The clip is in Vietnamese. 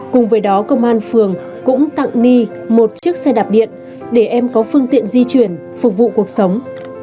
cùng với đó công an phường cũng tặng đi một chiếc xe đạp điện để em có phương tiện di chuyển phục vụ cuộc sống